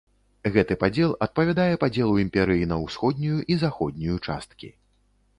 Гэты падзел адпавядае падзелу імперыі на усходнюю і заходнюю часткі.